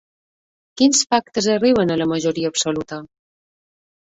Quins pactes arriben a la majoria absoluta?